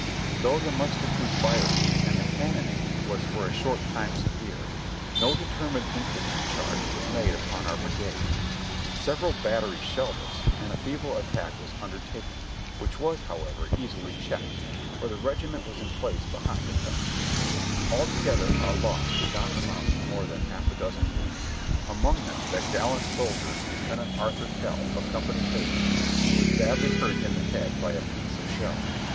Though the musketry firing and the cannonading was for a short time severe, no determined infantry charge was made upon our brigade ; several batteries shelled us, and a feeble attack was un dertaken, which was, however, easily checked, for the regiment was in place behind a fence ; altogether our loss did not amount to more than half a dozen wounded, among them that gallant soldier Lieutenant Arthur Kell, of Company H, who was badly hurt in the head by a piece of shell.